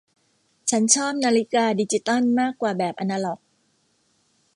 ฉันชอบนาฬิกาดิจิตัลมากกว่าแบบอนาล็อก